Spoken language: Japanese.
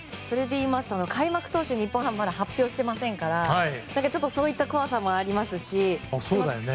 それで言いますと開幕投手、日本ハムまだ発表していませんからそういった怖さもありますし。